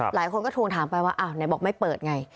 หลายคนก็ถูกถามไปไหนบอกไม่เปิดไง